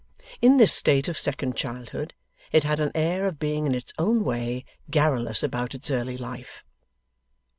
In this state of second childhood, it had an air of being in its own way garrulous about its early life.